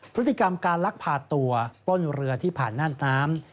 พฤติกรรมการลักพาตัวป้นเรือที่ผ่านหน้าน้ำ